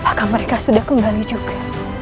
apakah mereka sudah kembali juga